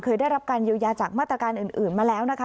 ได้รับการเยียวยาจากมาตรการอื่นมาแล้วนะคะ